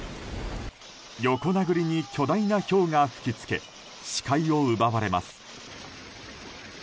横殴りに巨大なひょうが吹きつけ視界を奪われます。